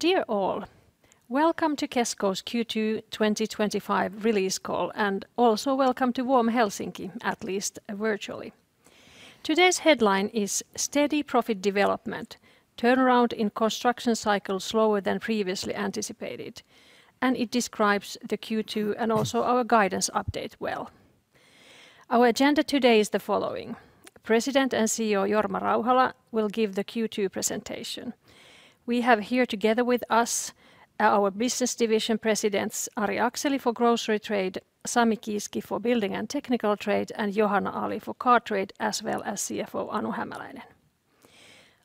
Dear all, welcome to KESSCO's Q2 twenty twenty five release call, and also welcome to warm Helsinki, at least virtually. Today's headline is Steady Profit Development, Turnaround in Construction Cycles Slower than Previously Anticipated, and it describes the Q2 and also our guidance update well. Our agenda today is the following: President and CEO, Jorma Raukhala, will give the Q2 presentation. We have here together with us our business division presidents Ari Akseli for Grocery Trade Sami Kieski for Building and Technical Trade and Johanna Ali for Car Trade as well as CFO, Anno Hammerleinen.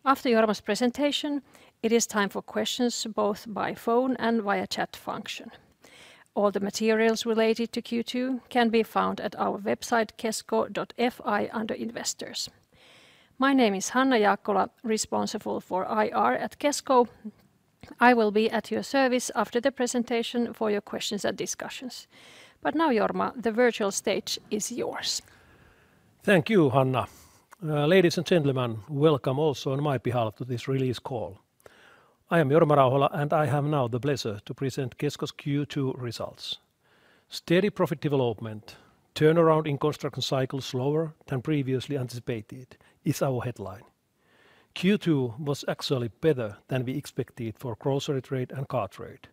After Johram's presentation, it is time for questions both by phone and via chat function. All the materials related to Q2 can be found at our website, kesco.fi, under Investors. My name is Hannah Jakola, responsible for IR at Kesco. I will be at your service after the presentation for your questions discussions. But now, Jorma, the virtual stage is yours. Thank you, Harna. Ladies and gentlemen, welcome also on my behalf to this release call. I am Jorma Rauholle and I have now the pleasure to present KESCO's Q2 results. Steady profit development, turnaround in construction cycle slower than previously anticipated, is our headline. Q2 was actually better than we expected for grocery trade and cart rate,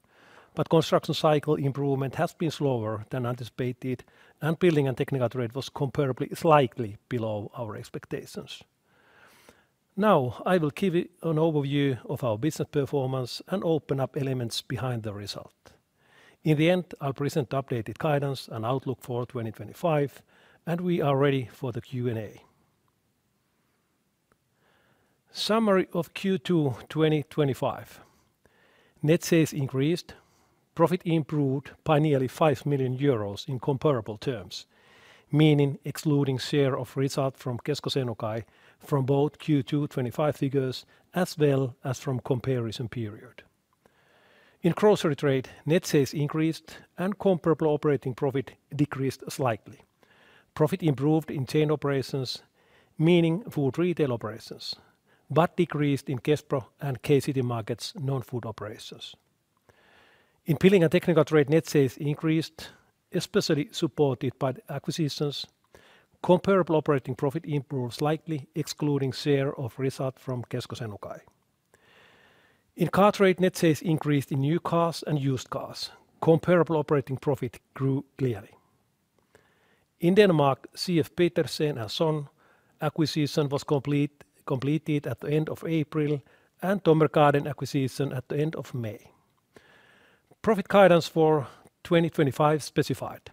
but construction cycle improvement has been slower than anticipated and billing and technical trade was comparably slightly below our expectations. Now I will give you an overview of our business performance and open up elements behind the result. In the end, I'll present updated guidance and outlook for 2025 and we are ready for the Q and A. Summary of Q2 twenty twenty five. Net sales increased, profit improved by nearly €5,000,000 in comparable terms, meaning excluding share of results from Kesco Senokai from both Q2 twenty twenty five figures as well as from comparison period. In grocery trade, net sales increased and comparable operating profit decreased slightly. Profit improved in chain operations, meaning food retail operations, but decreased in Kespro and K City markets non food operations. In Billing and Technical Trade, net sales increased, especially supported by the acquisitions. Comparable operating profit improved slightly, excluding share of result from Kesco Senokai. In car trade, net sales increased in new cars and used cars. Comparable operating profit grew clearly. In Denmark, CF Peterzens acquisition was completed at the April and Tomercaden acquisition at the May. Profit guidance for 2025 specified.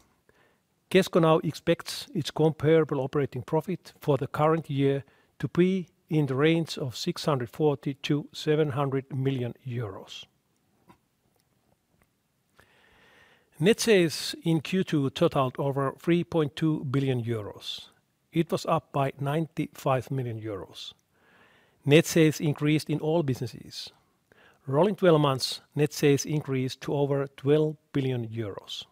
KESCO now expects its comparable operating profit for the current year to be in the range of $640,000,000 to €700,000,000 Net sales in Q2 totaled over €3,200,000,000 It was up by €95,000,000 Net sales increased in all businesses. Rolling twelve months net sales increased to over €12,000,000,000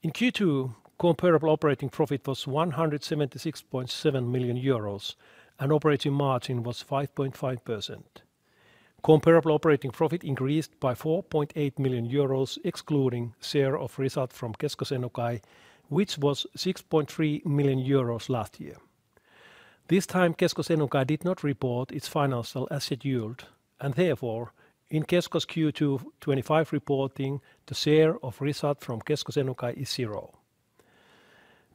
In Q2, comparable operating profit was €176,700,000 and operating margin was 5.5%. Comparable operating profit increased by €4,800,000 excluding share of result from KESCO Senokai, which was €6,300,000 last year. This time, KESCO Senokai did not report its financial as scheduled and therefore, in KESCO's Q2 twenty twenty five reporting, the share of result from KESCO Senokai is zero.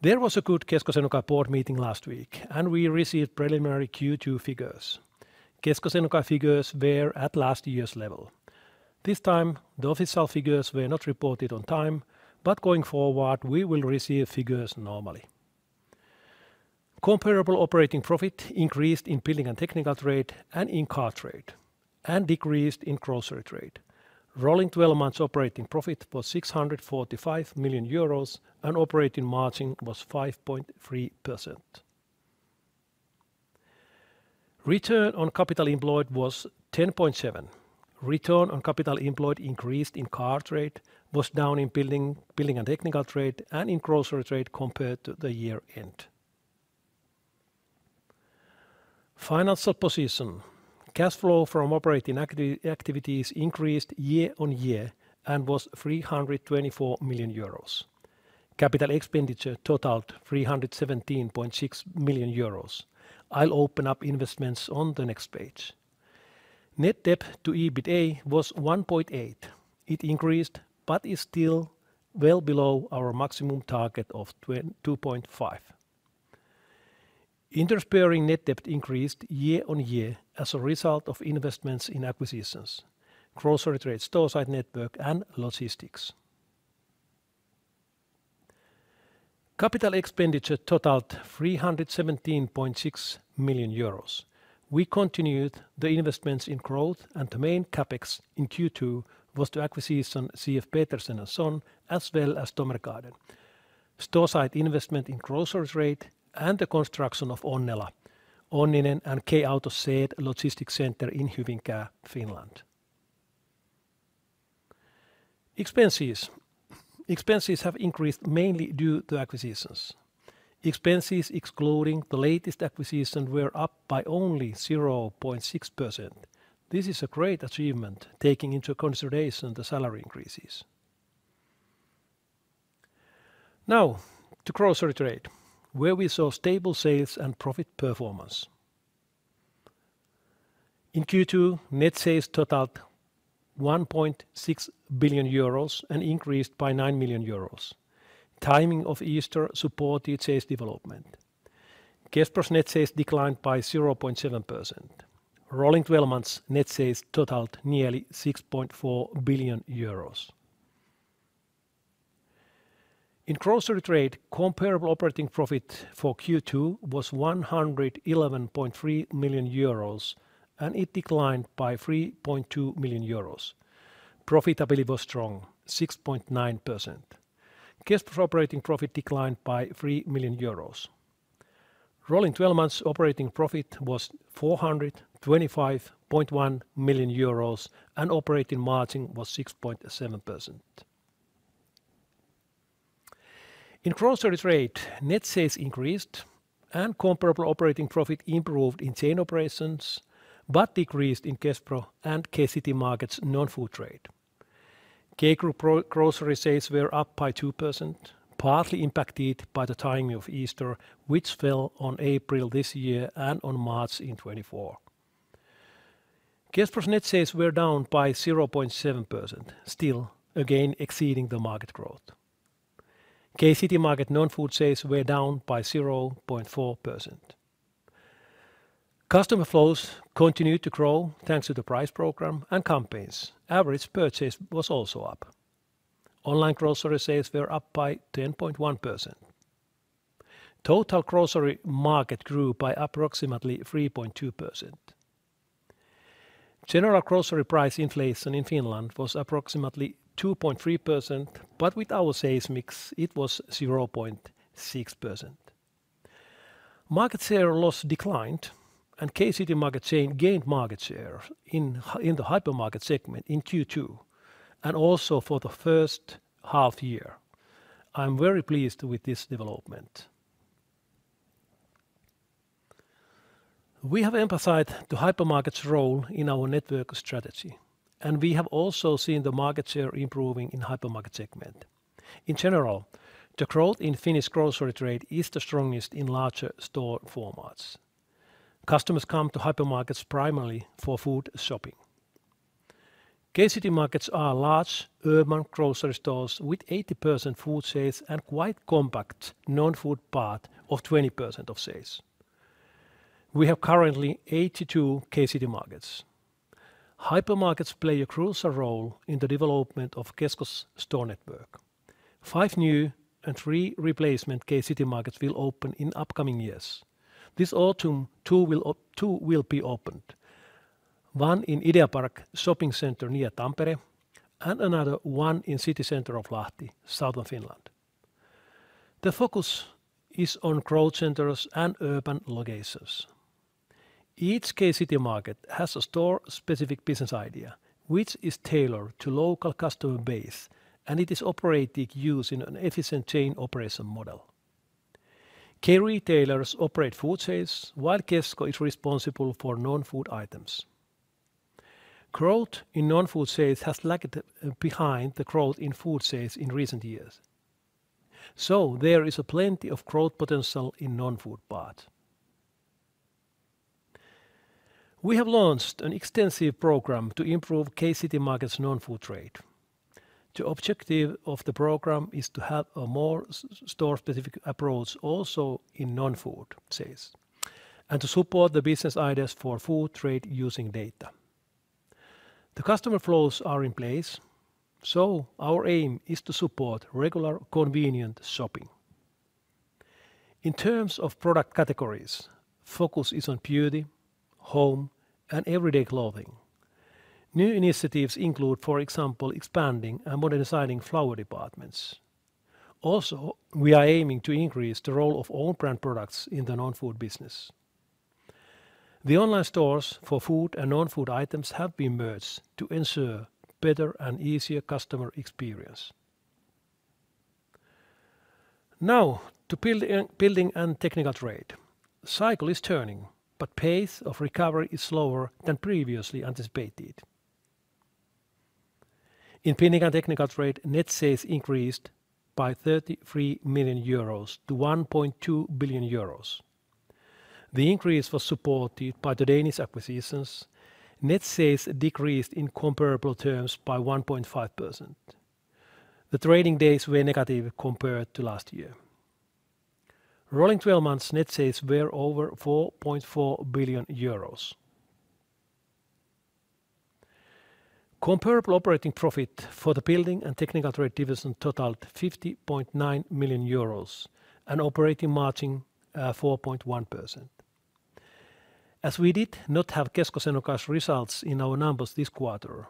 There was a good KESCO Senokai Board meeting last week and we received preliminary Q2 figures. KESCO Senokai figures were at last year's level. This time, the official figures were not reported on time, but going forward we will receive figures normally. Comparable operating profit increased in billing and technical trade and in cart rate and decreased in grocery trade. Rolling twelve months operating profit was €645,000,000 and operating margin was 5.3%. Return on capital employed was 10.7%. Return on capital employed increased in card rate, was down in billing and technical trade and in grocery trade compared to the year end. Financial position. Cash flow from operating activities increased year on year and was €324,000,000 Capital expenditure totaled €317,600,000 I'll open up Investments on the next page. Net debt to EBITA was 1.8. It increased, but is still well below our maximum target of 2.5. Interest bearing net debt increased year on year as a result of investments in acquisitions, grocery trade store side network and logistics. Capital expenditure totaled €317,600,000 We continued the investments in growth and the main CapEx in Q2 was to acquisition CF Petersen and Son as well as Tomergarden, store site investment in grocery rate and the construction of Onnella, Oninen and KAutoset Logistics Center in Huvingka, Finland. Expenses. Expenses have increased mainly due to acquisitions. Expenses excluding the latest acquisition were up by only 0.6%. This is a great achievement, taking into consideration the salary increases. Now to grocery trade, where we saw stable sales and profit performance. In Q2, net sales totaled 1,600,000,000 and increased by €9,000,000 Timing of Easter supported sales development. Gaspar's net sales declined by 0.7%. Rolling twelve months net sales totaled nearly €6,400,000,000 In grocery trade, comparable operating profit for Q2 was €111,300,000 and it declined by €3,200,000 Profitability was strong, 6.9%. Cash flow operating profit declined by €3,000,000 Rolling twelve months operating profit was €425,100,000 and operating margin was 6.7. In grocery trade, net sales increased and comparable operating profit improved in chain operations, but decreased in Kespro and K City Markets non food trade. K Group grocery sales were up by 2%, partly impacted by the timing of Easter, which fell on April and on March in 2024. Kesper's net sales were down by 0.7%, still again exceeding the market growth. K City Market nonfood sales were down by 0.4%. Customer flows continued to grow, thanks to the price program and campaigns. Average purchase was also up. Online grocery sales were up by 10.1%. Total grocery market grew by approximately 3.2%. General grocery price inflation in Finland was approximately 2.3%, but with our sales mix it was 0.6%. Market share loss declined and K City Market Chain gained market share in the hypermarket segment in Q2 and also for the first half year. I am very pleased with this development. We have emphasized the hypermarkets' role in our network strategy and we have also seen the market share improving in hypermarket segment. In general, the growth in Finnish grocery trade is the strongest in larger store formats. Customers come to hypermarkets primarily for food shopping. K City markets are large urban grocery stores with 80% food sales and quite compact non food part of 20% of sales. We have currently 82 City markets. Hypermarkets play a crucial role in the development of Kesco's store network. Five new and three replacement K City markets will open in upcoming years. This autumn, two will be opened: one in Ideapark Shopping Center near Tampere and another one in city center of Lahti, Southern Finland. The focus is on growth centers and urban locations. Each case city market has a store specific business idea, which is tailored to local customer base and it is operated using an efficient chain operation model. Care retailers operate food sales, while Kefsko is responsible for non food items. Growth in non food sales has lagged behind the growth in food sales in recent years. So there is plenty of growth potential in non food parts. We have launched an extensive program to improve K City markets non food trade. The objective of the program is to have a more store specific approach also in non food sales and to support the business ideas for food trade using data. The customer flows are in place, so our aim is to support regular convenient shopping. In terms of product categories, focus is on beauty, home and everyday clothing. New initiatives include, for example, expanding and modernizing flower departments. Also, we are aiming to increase the role of own brand products in the nonfood business. The online stores for food and nonfood items have been merged to ensure better and easier customer experience. Now to Building and Technical Trade. The cycle is turning, but pace of recovery is slower than previously anticipated. In Pinnacle Technical Trade, net sales increased by €33,000,000 to €1,200,000,000 The increase was supported by the Danish acquisitions. Net sales decreased in comparable terms by 1.5%. The trading days were negative compared to last year. Rolling twelve months net sales were over €4,400,000,000 Comparable operating profit for the Building and Technical Trade division totaled €50,900,000 and operating margin 4.1%. As we did not have QESCO Senokas results in our numbers this quarter,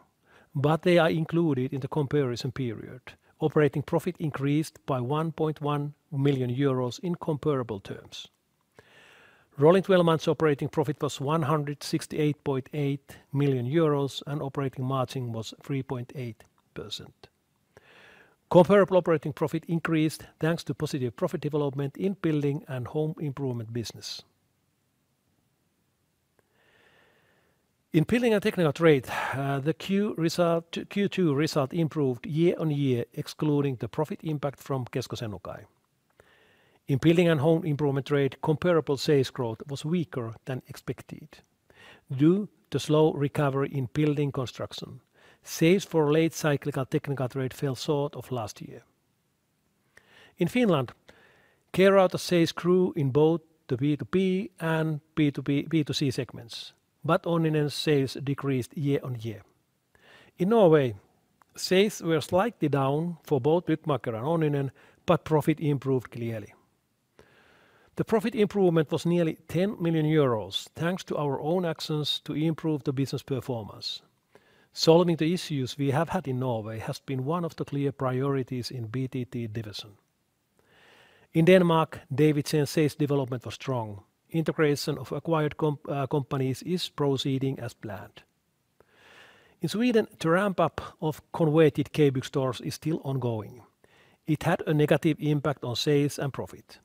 but they are included in the comparison period, operating profit increased by €1,100,000 in comparable terms. Rolling twelve months operating profit was €168,800,000 and operating margin was 3.8%. Comparable operating profit increased, thanks to positive profit development in Building and Home Improvement business. In Building and Technical Trade, the Q2 result improved year on year excluding the profit impact from KESCO Senokai. In Building and Home Improvement rate, comparable sales growth was weaker than expected due to slow recovery in Building Construction. Sales for late cyclical technical trade fell short of last year. In Finland, Kerata sales grew in both the B2B and B2C segments, but Oninen sales decreased year on year. In Norway, sales were slightly down for both Wittmacher and Oninen, but profit improved clearly. The profit improvement was nearly €10,000,000 thanks to our own actions to improve the business performance. Solving the issues we have had in Norway has been one of the clear priorities in BTT division. In Denmark, Davidson sales development was strong. Integration of acquired companies is proceeding as planned. In Sweden, the ramp up of converted K book stores is still ongoing. It had a negative impact on sales and profit.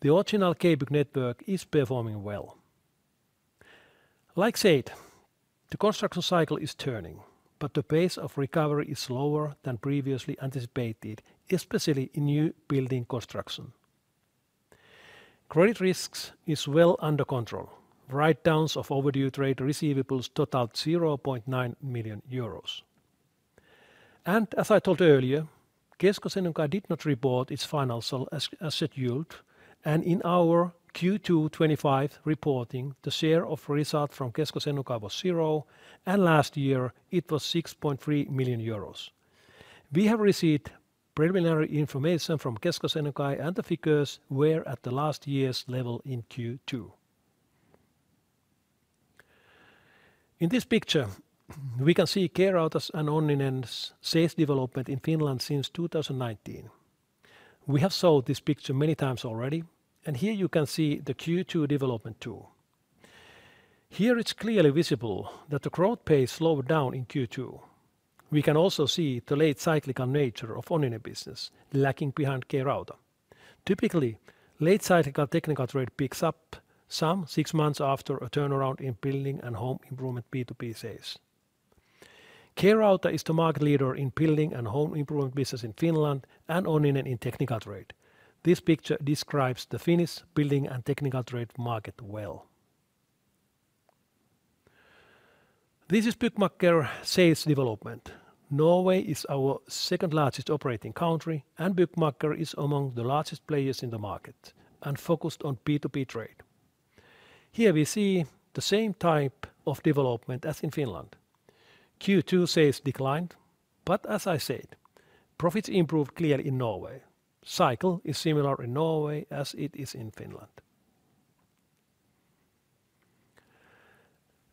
The original K book network is performing well. Like said, the construction cycle is turning, but the pace of recovery is lower than previously anticipated, especially in new building construction. Credit risk is well under control. Write downs of overdue trade receivables totalled €900,000 And as I told you earlier, Geisko Seneca did not report its financial as scheduled, and in our Q2 twenty twenty five reporting, the share of result from QESCO Seneca was zero and last year it was €6,300,000 We have received preliminary information from QESCO Seneca and the figures were at the last year's level in Q2. In this picture, we can see Krautas and Oninen's sales development in Finland since 2019. We have sold this picture many times already and here you can see the Q2 development too. Here it's clearly visible that the growth pace slowed down in Q2. We can also see the late cyclical nature of Onionne business lagging behind KeyRouter. Typically, late cyclical technical trade picks up some six months after a turnaround in building and home improvement P2P sales. Krauta is the market leader in building and home improvement business in Finland and Onine in technical trade. This picture describes the Finnish building and technical trade market well. This is Buyukmakker sales development. Norway is our second largest operating country and Buyukmakker is among the largest players in the market and focused on P2P trade. Here we see the same type of development as in Finland. Q2 sales declined, but as I said, profits improved clearly in Norway. Cycle is similar in Norway as it is in Finland.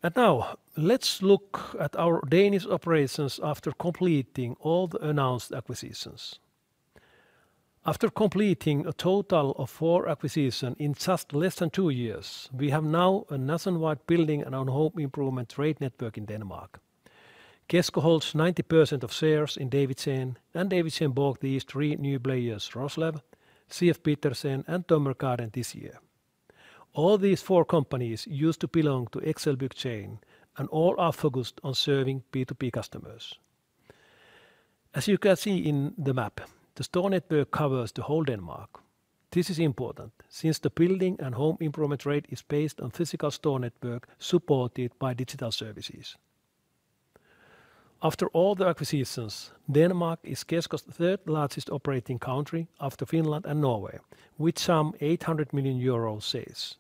And now, let's look at our Danish operations after completing all the announced acquisitions. After completing a total of four acquisitions in just less than two years, we have now a nationwide building and home improvement trade network in Denmark. KESCO holds 90% of shares in Davidson and Davidson bought these three new players: Roslab, C. F. Petersen and Tomer Karn this year. All these four companies used to belong to XLBUCHANE and all are focused on serving P2P customers. As you can see in the map, the store network covers the whole Denmark. This is important, since the building and home improvement rate is based on physical store network supported by digital services. After all the acquisitions, Denmark is SKESCO's third largest operating country after Finland and Norway, with some €800,000,000 sales.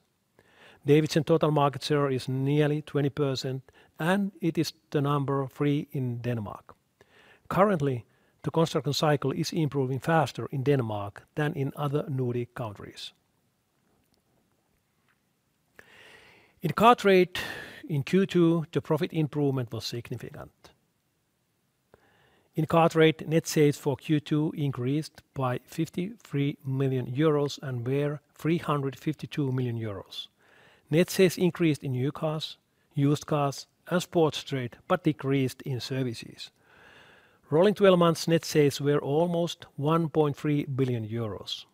Davidson total market share is nearly 20% and it is the number three in Denmark. Currently, the construction cycle is improving faster in Denmark than in other Nordic countries. In Cart Rate, in Q2, the profit improvement was significant. In Cart Rate, net sales for Q2 increased by €53,000,000 and were €352,000,000 Net sales increased in new cars, used cars and sports trade, but decreased in services. Rolling twelve months net sales were almost €1,300,000,000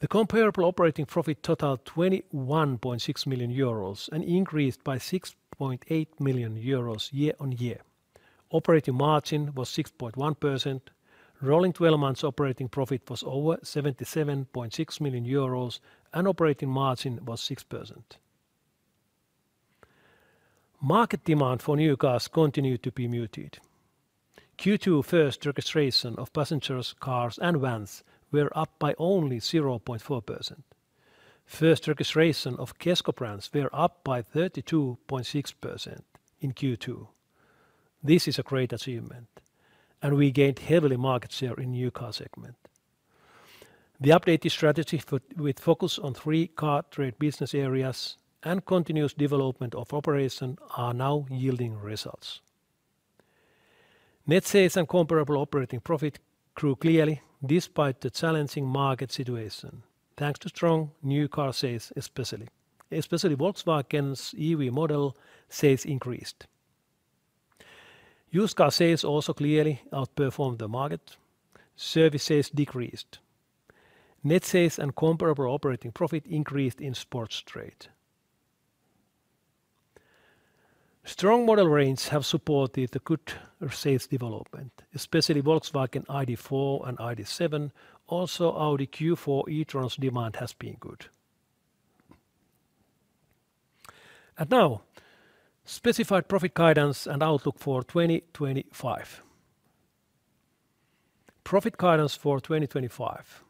The comparable operating profit totaled €21,600,000 and increased by €6,800,000 year on year. Operating margin was 6.1%. Rolling twelve months operating profit was over €77,600,000 and operating margin was 6%. Market demand for new cars continued to be muted. Q2 first registrations of passengers, cars and vans were up by only 0.4%. First registrations of KESCO brands were up by 32.6% in Q2. This is a great achievement, and we gained heavily market share in new car segment. The updated strategy with focus on three car trade business areas and continuous development of operation are now yielding results. Net sales and comparable operating profit grew clearly despite the challenging market situation, thanks to strong new car sales especially. Especially Volkswagen's EV model sales increased. Used car sales also clearly outperformed the market. Service sales decreased. Net sales and comparable operating profit increased in sports trade. Strong model range have supported a good sales development, especially Volkswagen ID. Four and ID. Seven. Also Audi Q4 e trons demand has been good. And now, specified profit guidance and outlook for 2025. Profit guidance for 2025.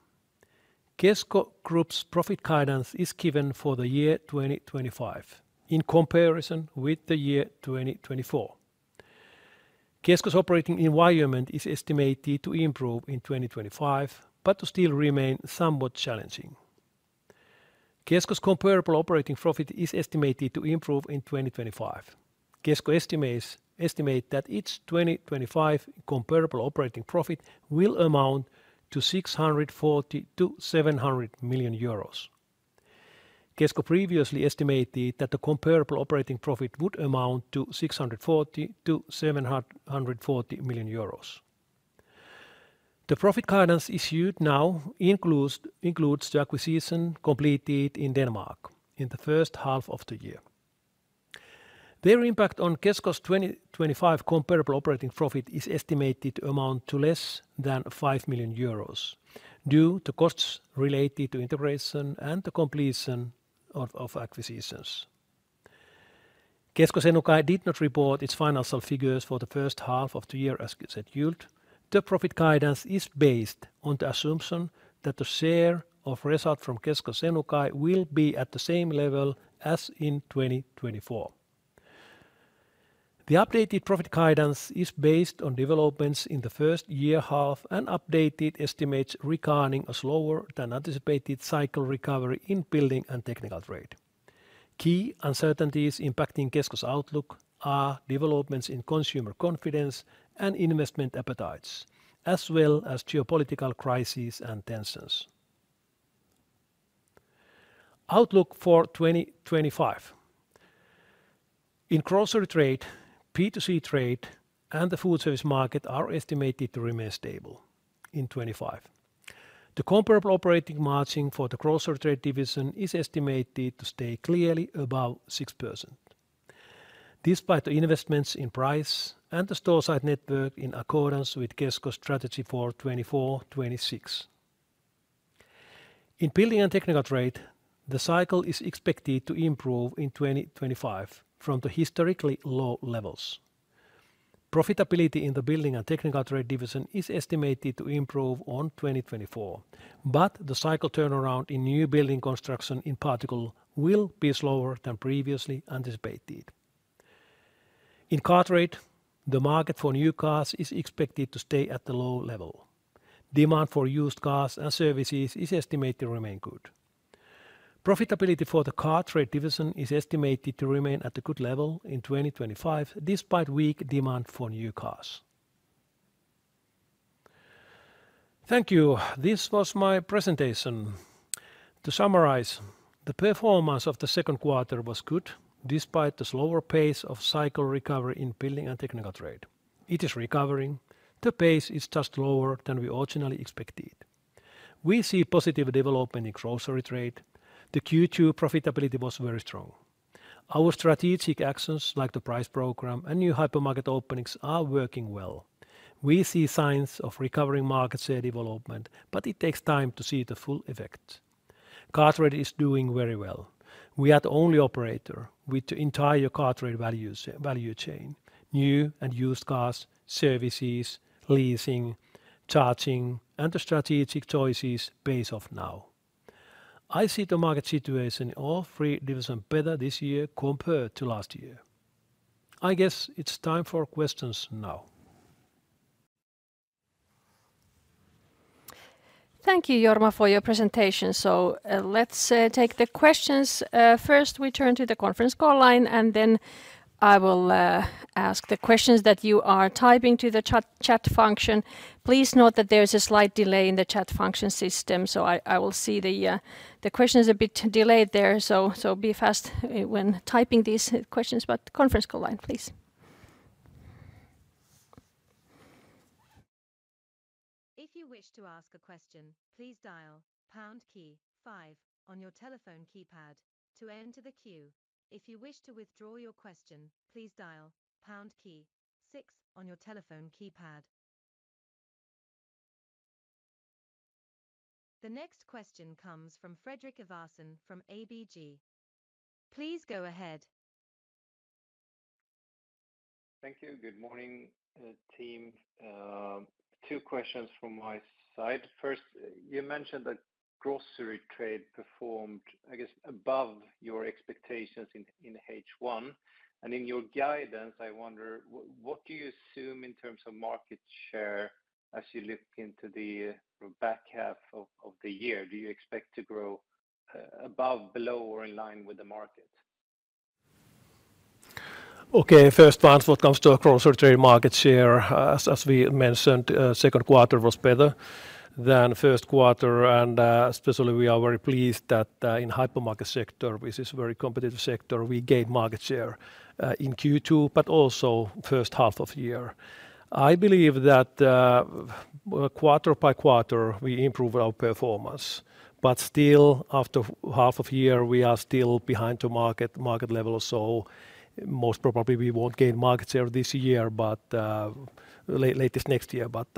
KESCO Group's profit guidance is given for the year 2025, in comparison with the year 2024. Operating environment is estimated to improve in 2025, but to still remain somewhat challenging. KESCO's comparable operating profit is estimated to improve in 2025. KESCO estimates that each 2025 comparable operating profit will amount to $640,000,000 to €700,000,000 KESCO previously estimated that the comparable operating profit would amount to $640,000,000 to €740,000,000 The profit guidance issued now includes the acquisition completed in Denmark in the first half of the year. Their impact on KESCO's 2025 comparable operating profit is estimated to amount to less than €5,000,000 due to costs related to integration and the completion of acquisitions. KESCO Senokai did not report its financial figures for the first half of the year as scheduled. The profit guidance is based on the assumption that the share of result from KESCO Senokai will be at the same level as in 2024. The updated profit guidance is based on developments in the first year half and updated estimates regarding a slower than anticipated cycle recovery in Building and Technical Trade. Key uncertainties impacting QESCO's outlook are developments in consumer confidence and investment appetites, as well as geopolitical crises and tensions. Outlook for 2025. In grocery trade, P2C trade and the foodservice market are estimated to remain stable in 2025. The comparable operating margin for the Grocery Trade division is estimated to stay clearly above six percent, despite the investments in price and the store side network in accordance with GESSCO's strategy for twenty twenty fourtwenty twenty six. In Building and Technical Trade, the cycle is expected to improve in 2025 from the historically low levels. Profitability in the Building and Technical Trade division is estimated to improve on 2024, but the cycle turnaround in new building construction in Particle will be slower than previously anticipated. In card rate, the market for new cars is expected to stay at the low level. Demand for used cars and services is estimated to remain good. Profitability for the car trade division is estimated to remain at a good level in 2025 despite weak demand for new cars. Thank you. This was my presentation. To summarize, the performance of the second quarter was good despite the slower pace of cycle recovery in Building and Technical Trade. It is recovering. The pace is just lower than we originally expected. We see positive development in grocery trade. The Q2 profitability was very strong. Our strategic actions like the price program and new hypermarket openings are working well. We see signs of recovering market share development, but it takes time to see the full effect. KartRed is doing very well. We are the only operator with the entire KartRed value chain new and used cars, services, leasing, charging and the strategic choices based off now. I see the market situation in all three division better this year compared to last year. I guess it's time for questions now. Thank you, Jorma, for your presentation. So let's take the questions. First, we turn to the conference call line, and then I will ask the questions that you are typing to the chat function. Please note that there is a slight delay in the chat function system, so I will see the questions a bit delayed there. So be fast when typing these questions, but conference call line, please. The next question comes from Fredrik Ivarsson from ABG. Please go ahead. Thank you. Good morning, team. Two questions from my side. First, you mentioned that grocery trade performed, I guess, above your expectations in H1. And in your guidance, I wonder what do you assume in terms of market share as you look into the back half of the year? Do you expect to grow above, below or in line with the market? Okay. First part, it comes to cross territory market share, as we mentioned, second quarter was better than first quarter. And especially, we are very pleased that in hypermarket sector, which is a very competitive sector, we gained market share in Q2, but also first half of the year. I believe that quarter by quarter we improved our performance. But still after half of year we are still behind the market level. So most probably we won't gain market share this year, but latest next year. But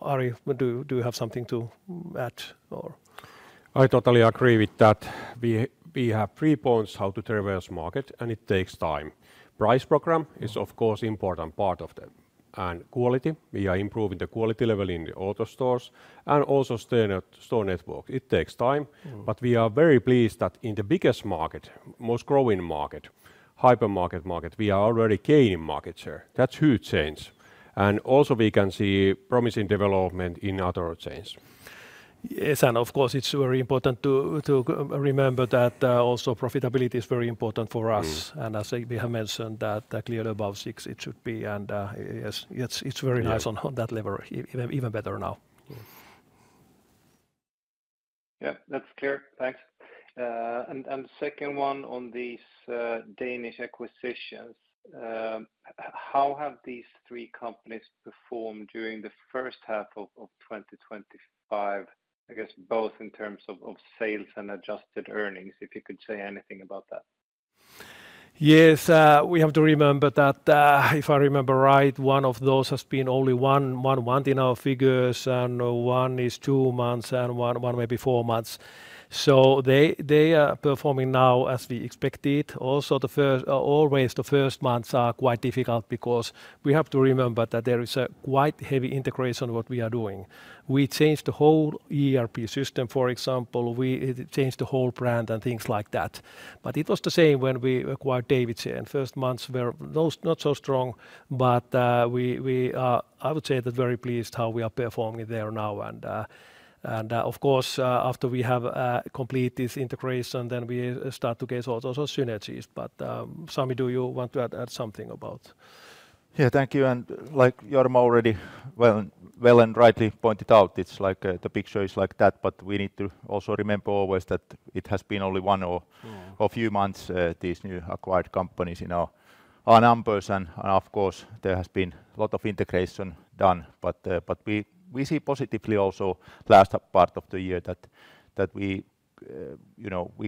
Ari, do you have something to add? I totally agree with that. We have three points how to traverse market and it takes time. Price program is of course important part of that. And quality, we are improving the quality level in the auto stores and also store network. It takes time, but we are very pleased that in the biggest market, most growing market, hypermarket market, we are already gaining market share. That's huge change. And also we can see promising development in other chains. Yes. And of course, it's very important to remember that also profitability is very important for us. And as we have mentioned that clearly above 6% it should be. And yes, it's very nice on that level, even better now. Yes, that's clear. Thanks. And second one on these Danish acquisitions. How have these three companies performed during the first half of twenty twenty five, I guess both in terms of sales and adjusted earnings, if you could say anything about that? Yes. We have to remember that, if I remember right, one of those has been only month in our figures and one is two months and one maybe four months. So they are performing now as we expected. Also the first always the first months are quite difficult because we have to remember that there is a quite heavy integration of what we are doing. We changed the whole ERP system for example. We changed the whole brand and things like that. But it was the same when we acquired DAVIDs here. First months, we're not so strong, but we are I would say that very pleased how we are performing there now. And of course, after we have completed this integration then we start to get also synergies. But Sami, do you want to add something about? Yeah. Thank you. And like Jorma already well and rightly pointed out, it's like the picture is like that, but we need to also remember always that it has been only one or a few months these new acquired companies in our numbers. And of course, there has been a lot of integration done, but we see positively also last part of the year that we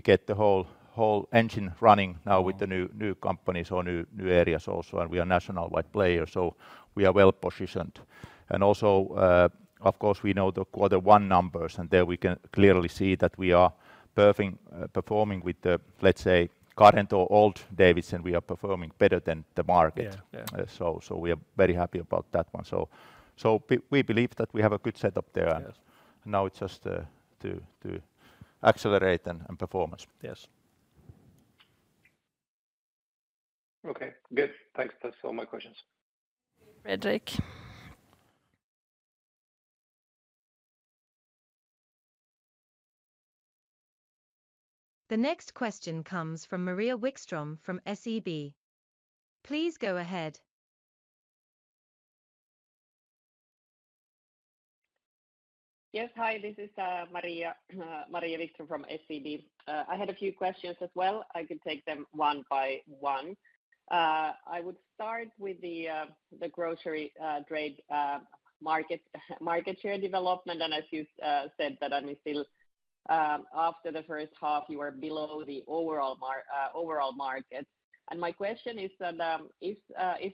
get the whole engine running now with the new companies or new areas also and we are national wide player, so we are well positioned. And also, of course, we know the quarter one numbers and there we can clearly see that we are performing with the, let's say, current or old Davidson, we are performing better than the market. So we are very happy about that one. We believe that we have a good setup there. Now it's just to accelerate and performance, yes. The next question comes from Maria Wickstrom from SEB. Please go ahead. Yes, hi. This is Maria Wickstrom from SEB. I had a few questions as well. I could take them one by one. I would start with the grocery trade market share development. And as you said that I mean still after the first half, you are below the overall market. And my question is that is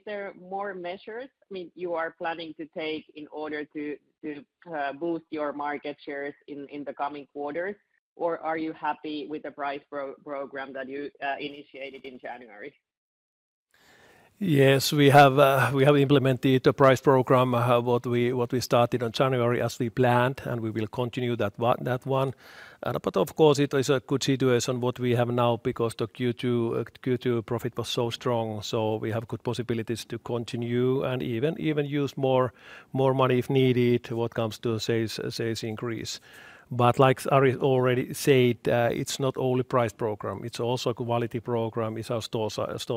there more measures, I mean, you are planning to take in order to boost your market shares in the coming quarters? Or are you happy with the price program that you initiated in January? Yes. We have implemented the price program what we started on January as we planned, and we will continue that one. But of course, it is a good situation what we have now because the Q2 profit was so strong. So we have good possibilities to continue and even use more money if needed when it comes to sales increase. But like Ari already said, it's not only price program. It's also a quality program. It's our store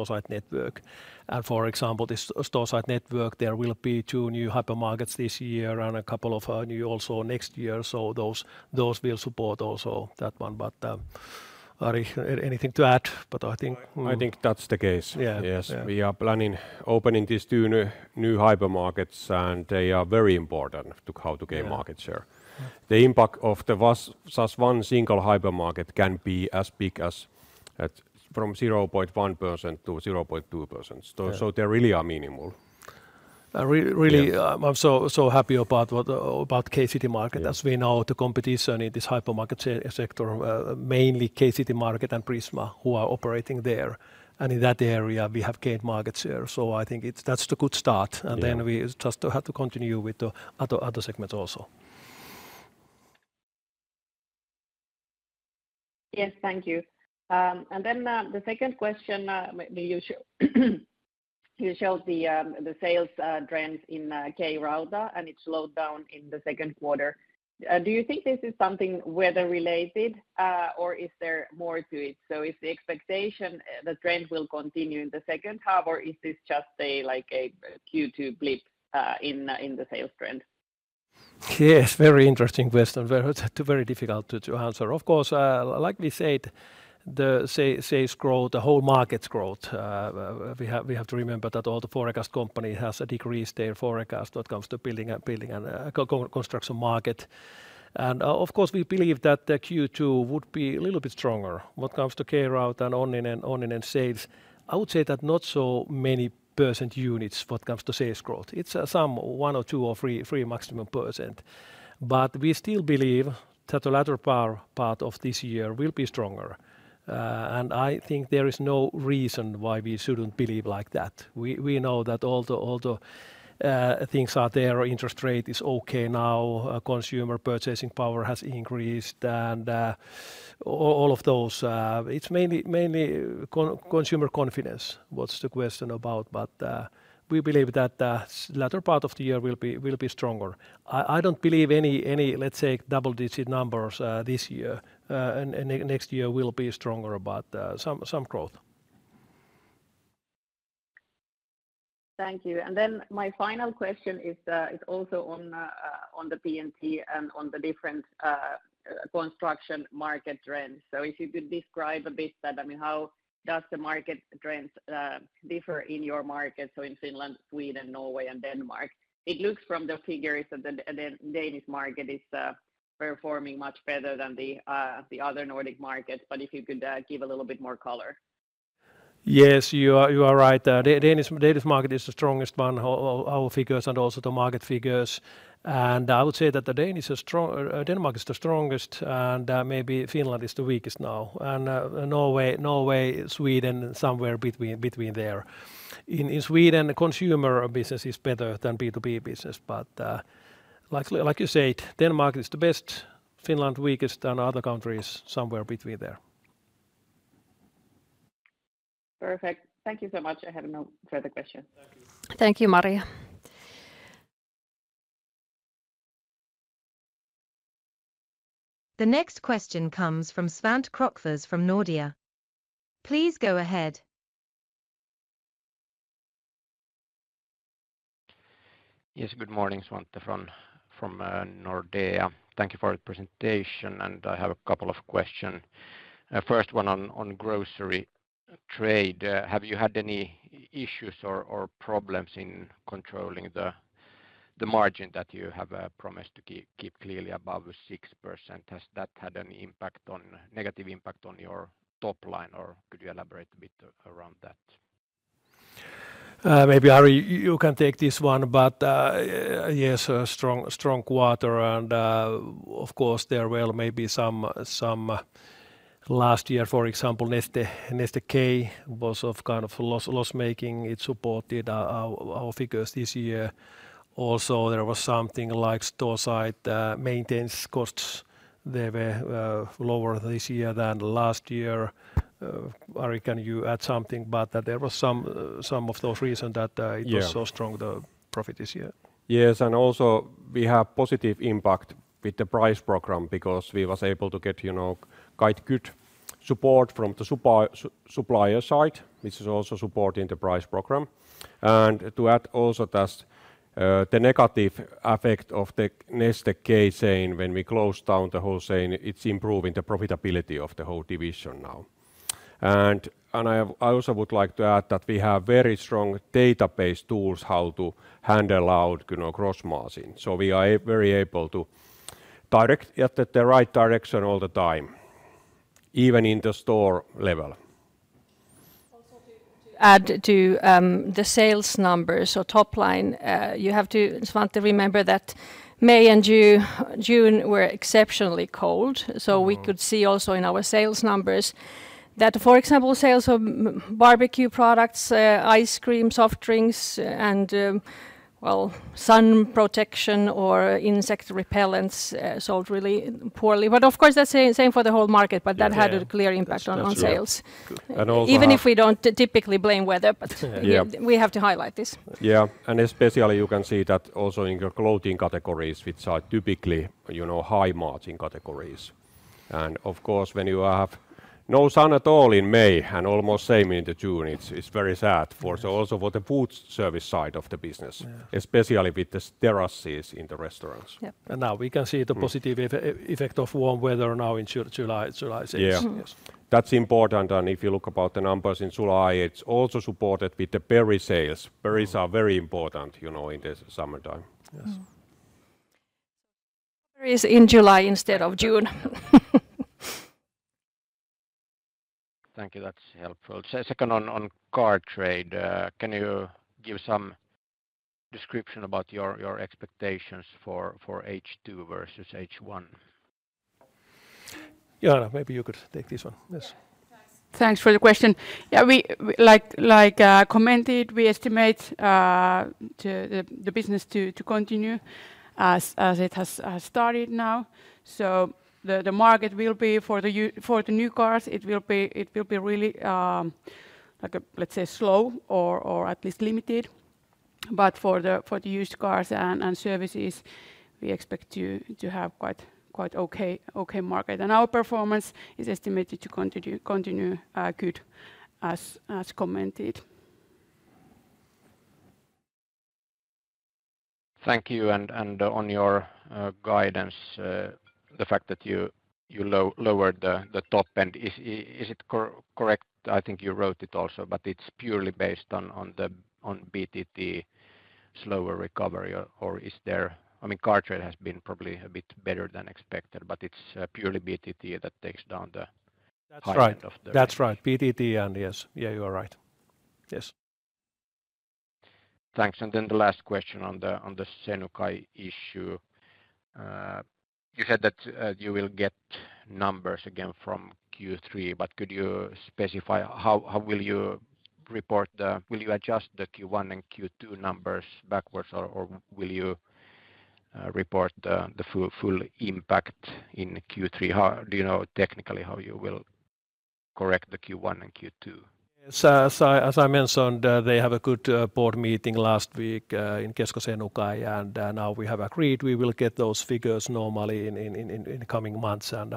site network. And for example, the store site network, there will be two new hypermarkets this year and a couple of new also next year. So those will support also that one. But Ari, anything to add? But I think I think that's the case. Yes. We are planning opening these two new hypermarkets and they are very important to how to gain market share. The impact of the one single hypermarket can be as big as from 0.1% to 0.2%. So they really are minimal. Really, I'm so happy about what about K City market. As we know the competition in this hypermarket sector mainly K City market and Prisma who are operating there. And in that area, we have gained market share. So I think that's a good start. And then we just have to continue with the other segments also. Yes. Thank you. And then the second question, you showed the sales trends in Kerala and it slowed down in the second quarter. Do you think this is something weather related? Or is there more to it? So is the expectation the trend will continue in the second half? Or is this just like a Q2 blip in the sales trend? Yes, very interesting question. Very difficult to answer. Of course, like we said, the sales growth, the whole market's growth, we have to remember that all the forecast company has decreased their forecast when it comes to building construction market. And of course, we believe that Q2 would be a little bit stronger when it comes to K Route and On and On sales, I would say that not so many percent units when it comes to sales growth. It's some 1% or 2% or 3% maximum. But we still believe that the latter part of this year will be stronger. And I think there is no reason why we shouldn't believe like that. We know that although things are there, interest rate is okay now, consumer purchasing power has increased and all of those. It's mainly consumer confidence, what's the question about. But we believe that latter part of the year will be stronger. I don't believe any, let's say, double digit numbers this year and next year will be stronger, but some growth. Thank you. And then my final question is also on the P and T and on the different construction market trends. So if you could describe a bit that, I mean, how does the market trends differ in your markets, so in Finland, Sweden, Norway and Denmark? It looks from the figures that the Danish market is performing much better than the other Nordic markets, but if you could give a little bit more color. Yes, you are right. Danish market is the strongest one, our figures and also the market figures. And I would say that the Danish Denmark is the strongest and maybe Finland is the weakest now. And Norway, Sweden somewhere between there. In Sweden, the consumer business is better than B2B business. But like you said, Denmark is the best Finland, weakest than other countries, somewhere between there. Perfect. Thank you so much. I have no further questions. Thank you, Maria. The next question comes from Svante Krukfors from Nordea. Go ahead. Morning, Swan Tefran from Nordea. Thank you for the presentation. And I have a couple of questions. First one on grocery trade. Have you had any issues or problems in controlling the margin that you have promised to keep clearly above 6%? Has that had any impact on negative impact on your top line? Or could you elaborate a bit around that? Maybe, Hari, you can take this one. But yes, a strong quarter. And of course, there were maybe some last year, for example, Neste K was of kind of loss making. It supported our figures this year. Also there was something like store side maintenance costs. They were lower this year than last year. Ari can you add something, but there was some of those reasons that it was so strong the profit this year. And also we have positive impact with the price program, because we was able to get quite good support from the supplier side, which is also supporting the price program. And to add also that the negative effect of the Neste K Zane, when we closed down the wholesale, it's improving the profitability of the whole division now. And I also would like to add that we have very strong database tools how to handle out gross margin. So we are very able to direct at the right direction all the time, even in the store level. Also to add to the sales numbers or top line, you have to just want to remember that May and June were exceptionally cold. We could see also in our sales numbers that, for example, sales of barbecue products, ice cream soft drinks and well, sun protection or insect repellents sold really poorly. But of course, that's the same for the whole market, but that had a clear impact on sales. Even if we don't typically blame weather, but we have to highlight this. Yes. And especially, you can see that also in your clothing categories, which are typically high margin categories. And of course, when you have no sun at all in May and almost same into June, it's very sad for also for the foodservice side of the business, especially with the steracies in the restaurants. And now we can see the positive effect of warm weather now in July 6. Yes. That's important. And if you look about the numbers in July, it's also supported with the berry sales. Berries are very important in the summertime. Berries in July instead of June. Thank you. That's helpful. Second on car trade, can you give some description about your expectations for H2 versus H1? Jana, maybe you could take this one. Thanks for the question. Yes, we like commented, we estimate the business to continue as it has started now. So the market will be for the new cars, it will be really like, let's say, slow or at least limited. But for the used cars and services, we expect to have quite okay market. And our performance is estimated to continue good, as commented. Thank you. And on your guidance, the fact that you lowered the top end, is it correct? I think you wrote it also, but it's purely based on the on BTT slower recovery? Or is there I mean, trade has been probably a bit better than expected, but it's purely BTT that takes down That's heart right. Of the That's right. BTT and yes. Yes, you are right. Yes. Thanks. And then the last question on the Senukai issue. You said that you will get numbers again from Q3, but could you specify how will you report the will you adjust the Q1 and Q2 numbers backwards? Or will you report the full impact in Q3? Do you know technically how you will correct the Q1 and Q2? Yes. As I mentioned, they have a good Board meeting last week in Keskoye and now we have agreed we will get those figures normally in the coming months and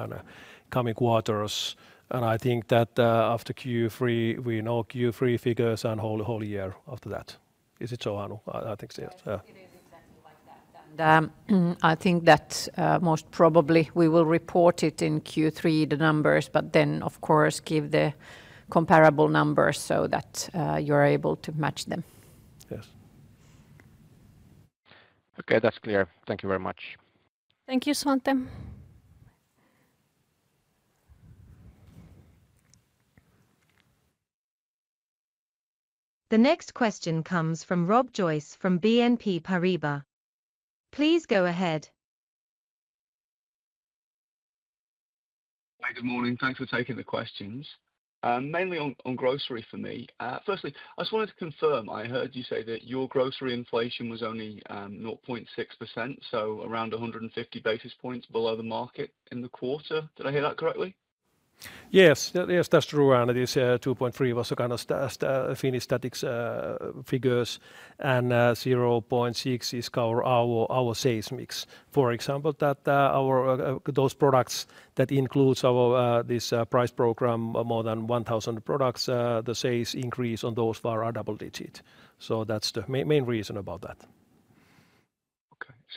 coming quarters. And I think that after Q3, we know Q3 figures and whole year after that. Is it Johannou? I think so. It is exactly like that. I think that most probably we will report it in Q3 the numbers, but then of course give the comparable numbers so that you're able to match them. The next question comes from Rob Joyce from BNP Paribas. Please go ahead. Hi. Good morning. Thanks for taking the questions. Mainly on grocery for me. Firstly, I just wanted to confirm, I heard you say that your grocery inflation was only 0.6%, so around 150 basis points below the market in the quarter. Did I hear that correctly? Yes. Yes, that's true, Anders. 2.3 was a kind of Finnish static figures and 0.6 is our sales mix. For example, that our those products that includes our this price program more than 1,000 products, the sales increase on those far are double digit. So that's the main reason about that.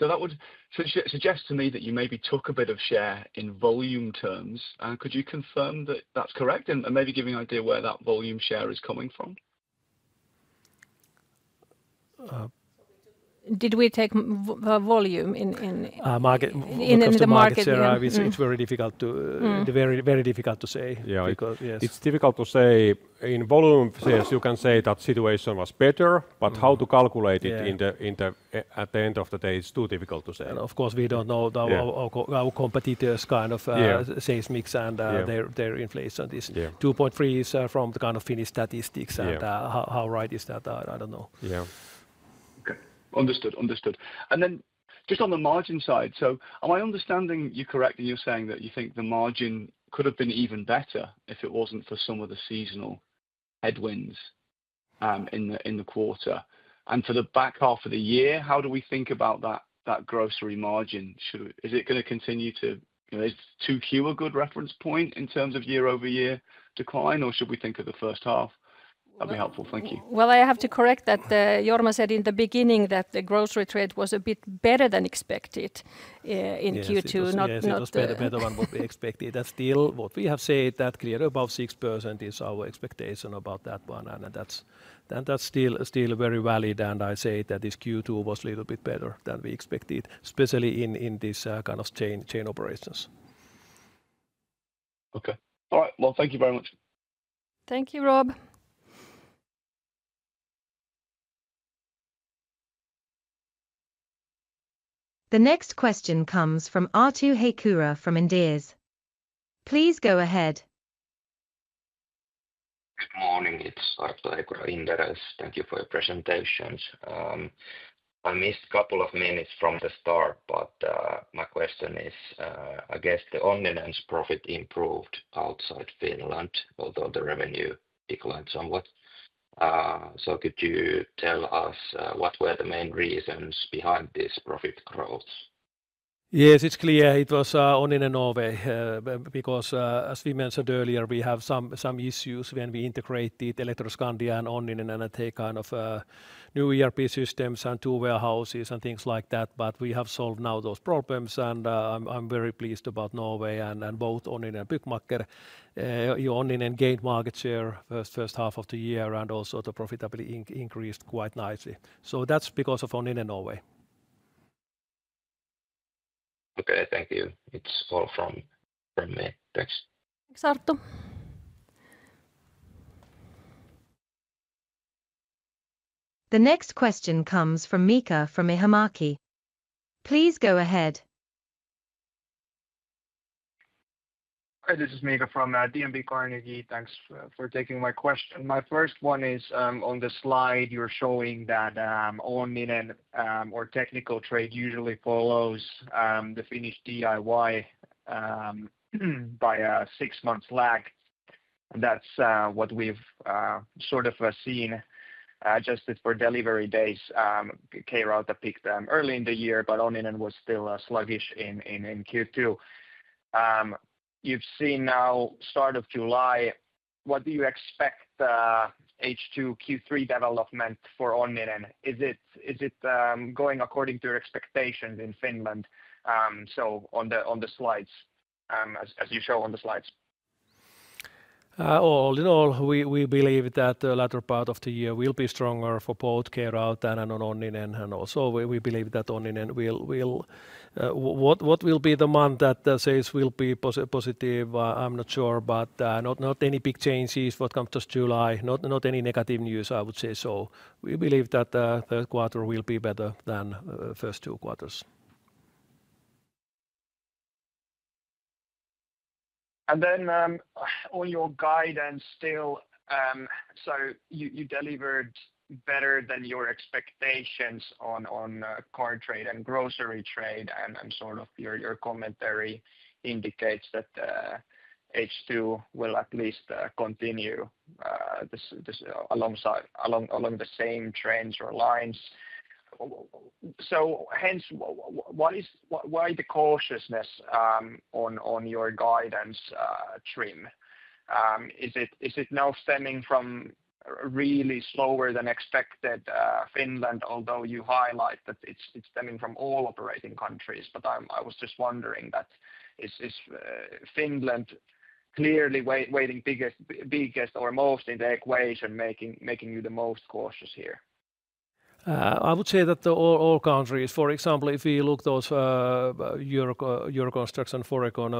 Okay. So that would suggest to me that you maybe took a bit of share in volume terms. Could you confirm that that's correct? And maybe give me an idea where that volume share is coming from? Did we take volume in Yes, the it's very difficult to say. It's difficult to say. In volume, yes, you can say that situation was better, but how to calculate it at the end of the day is too difficult to say. And of course, we don't know our competitors' kind of sales mix and their inflation is. 2.3% is from the kind of Finnish statistics. How right is that? I don't know. Okay. Understood, understood. And then just on the margin side. So am I understanding you correctly, you're saying that you think the margin could have been even better if it wasn't for some of the seasonal headwinds in the quarter? And for the back half of the year, how do we think about that grocery margin? Is it going to continue to is 2Q a good reference point in terms of year over year decline? Or should we think of the first half? Well, That would helpful. Thank I have to correct that Jorma said in the beginning that the grocery trade was a bit better than expected in Q2, Yes, not it's better than what we expected. That's still what we have said that clearly, above 6% is our expectation about that one. And that's still very valid. And I say that this Q2 was a little bit better than we expected, especially in this kind of chain operations. The next question comes from Artoo Haykura from Inderes. Please go ahead. Good morning. It's Artoo Haykura, Inderes. Thank you for your presentations. I missed a couple of minutes from the start, but my question is, I guess, the Onlinen's profit improved outside Finland, although the revenue declined somewhat. So could you tell us what were the main reasons behind this profit growth? Yes, it's clear. It was Onin and Norway, because as we mentioned earlier, we have some issues when we integrate the Electroscandia and Onin and NNATA kind of new ERP systems and two warehouses and things like that, but we have solved now those problems. And I'm very pleased about Norway and both Onin and Buyukmakker. Onin gained market share first half of the year and also the profitability increased quite nicely. So that's because of Onin Norway. Okay. Thank you. It's Paul from me. Thanks. Thanks, Artem. The next question comes from Mika from Ihumaki. Please go ahead. Hi, this is Mika from D and B Carnegie. Thanks for taking my question. My first one is on the slide you're showing that on Minen or technical trade usually follows the finished DIY by six months lag. That's what we've sort of seen adjusted for delivery days. Keralta picked early in the year, but Oninen was still sluggish in Q2. You've seen now July, what do you expect H2, Q3 development for Onnen? Is it going according to your expectations in Finland, so on the slides as you show on the slides? All in all, we believe that the latter part of the year will be stronger for both Keralt and on Oninen. And also we believe that Oninen will what will be the month that sales will be positive, I'm not sure, but not any big changes what comes to July, not any negative news I would say. So we believe that the third quarter will be better than first two quarters. And then on your guidance still, so you delivered better than your expectations on car trade and grocery trade and sort of your commentary indicates that H2 will at least continue alongside along the same trends or lines. So hence, what is why the cautiousness on your guidance TRIM? Is it now stemming from really slower than expected Finland, although you highlight that it's stemming from all operating countries? But I was just wondering that is Finland clearly waiting biggest or most in the equation making you the most cautious here? I would say that all countries. For example, if we look Euroconstriction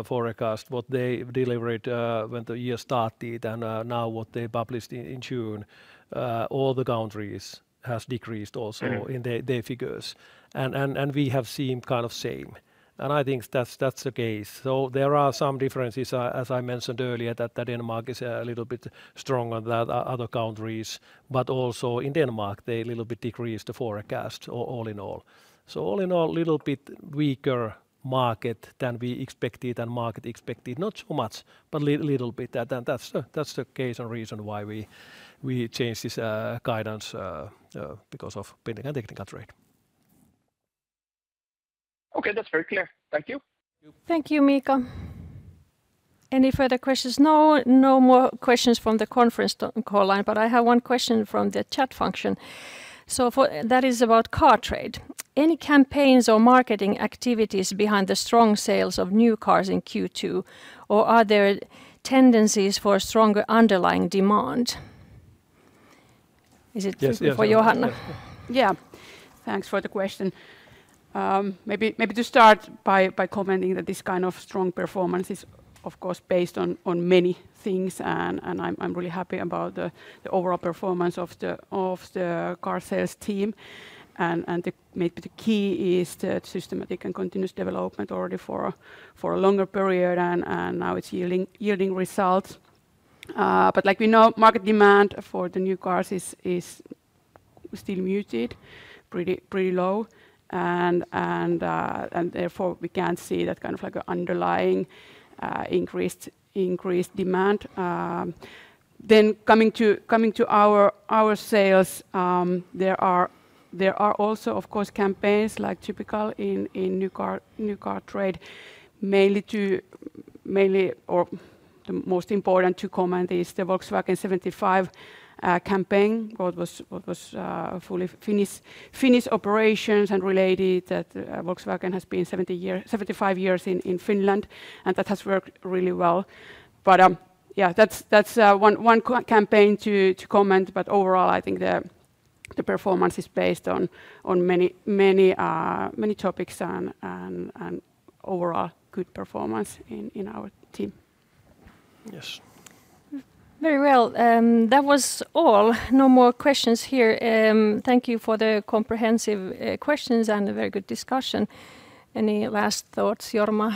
forecast, what they delivered when the year started and now what they published in June, all the countries has decreased also And in their we have seen kind of same. And I think that's the case. So there are some differences, as I mentioned earlier, that Denmark is a little bit stronger than other countries. But also in Denmark, they a little bit decreased the forecast all in all. So all in all, little bit weaker market than we expected and market expected not so much, but a little bit. And that's the case and reason why we changed this guidance because of pending a technical trade. Okay. That's very clear. Thank you. Thank you, Mikael. Any further questions? No more questions from the conference call line, but I have one question from the chat function. So that is about car trade. Any campaigns or marketing activities behind the strong sales of new cars in Q2? Or are there tendencies for stronger underlying demand? Is it for Yes. Thanks for the question. Maybe to start by commenting that this kind of strong performance is, of course, based on many things, and I'm really happy about the overall performance of the car sales team. And maybe the key is the systematic and continuous development already for a longer period and now it's yielding results. But like we know, market demand for the new cars is still muted, pretty low. And therefore, we can't see that kind of like an underlying increased demand. Then coming to our sales, there are also, of course, campaigns like typical in new car trade, mainly or the most important to comment is the Volkswagen '75 campaign, what was fully Finnish operations and related that Volkswagen has been seventy five years in Finland, and that has worked really well. But yes, that's one campaign to comment. But overall, I think the performance is based on many topics and overall good performance in our team. Yes. Very well. That was all. No more questions here. Thank you for the comprehensive questions and a very good discussion. Any last thoughts, Jorma?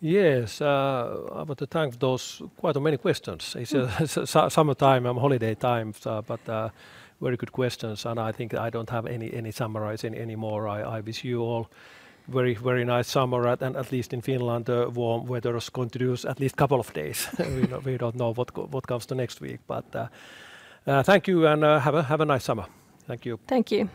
Yes. I want to thank those quite many questions. Summertime and holiday time, but very good questions. And I think I don't have any summerizing anymore. I wish you all very, very nice summer. And at least in Finland, warm weather is going to do at least couple of days. We don't know what comes to next week. But thank you, and have a nice summer. Thank you. Thank you.